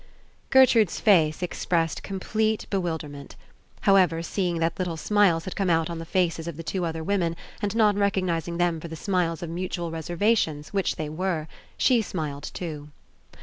Gertrude's face expressed complete be 63 PASSING wilderment. However, seeing that little smiles had come out on the faces of the two other women and not recognizing them for the smiles of mutual reservations which they were, she smiled too.